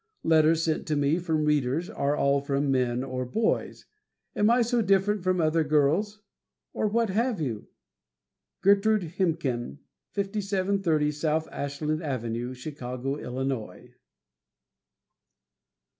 Letters sent to me from readers are all from men or boys. Am I so different from other girls? Or what have you? Gertrude Hemken, 5730 So. Ashland Ave., Chicago, Illinois.